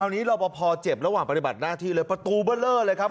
อันนี้รอปภเจ็บระหว่างปฏิบัติหน้าที่เลยประตูเบอร์เลอร์เลยครับ